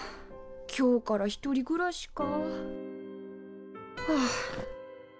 今日から１人暮らしか。はあ。